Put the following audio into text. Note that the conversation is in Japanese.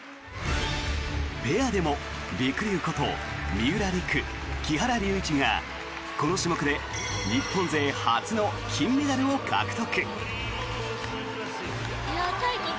ペアでも、りくりゅうこと三浦璃来・木原龍一がこの種目で日本代表勢初の金メダルを獲得。